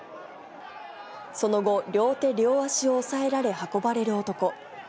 その後、両手両足を押さえられ運ばれる男。